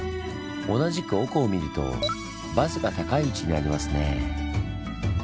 同じく奥を見るとバスが高い位置にありますねぇ。